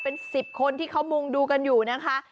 เป็น๑๐คนที่เขามุงดูกันอยู่นะคะ